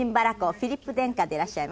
フィリップ殿下でいらっしゃいます。